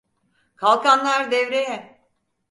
Kalkanlar devreye.